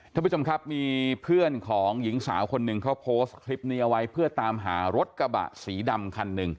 ท่านผู้ชมครับมีเพื่อนของหญิงสาวคนหนึ่งเขาโพสต์คลิปนี้เอาไว้เพื่อตามหารถกระบะสีดำคันหนึ่ง